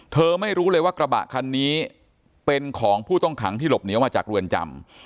ไม่รู้เลยว่ากระบะคันนี้เป็นของผู้ต้องขังที่หลบหนีมาจากเรือนจำ